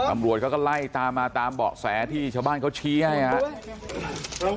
ตำรวจเขาก็ไล่ตามมาตามเบาะแสที่ชาวบ้านเขาชี้ให้ครับ